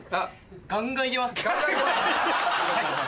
ガンガンいけますはい。